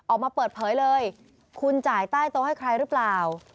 ออกมาเปิดเผยเลยคุณจ่ายใต้โต๊ะให้ใครหรือเปล่า